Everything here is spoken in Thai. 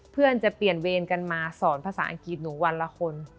เพื่อนจะเปลี่ยนเวรกันมาสอนภาษาอังกฤษหนูวันละคน